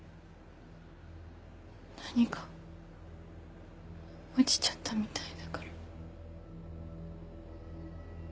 何か落ちちゃったみたいだから。